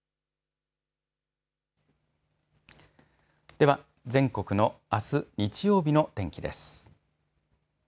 では全国のあす日曜日の天気です。